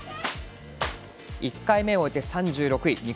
１回目を終えて３６位。